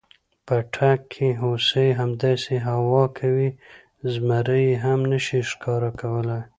په تګ کې هوسۍ، همداسې هوا کوي، زمري یې هم نشي ښکار کولی.